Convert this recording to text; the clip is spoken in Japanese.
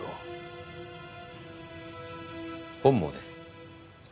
本望です。